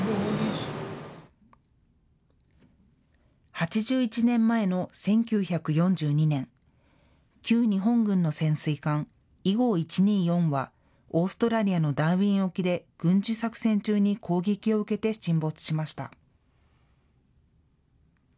８１年前の１９４２年、旧日本軍の潜水艦、伊号１２４はオーストラリアのダーウィン沖で軍事作戦中に攻撃を受けて沈没しました。